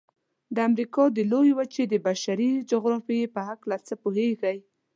د امریکا د لویې وچې د بشري جغرافیې په هلکه څه پوهیږئ؟